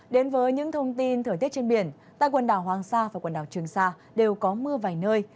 đến với những thông tin thời tiết trên biển tại quần đảo hoàng sa và quần đảo trường sa đều có mưa vài nơi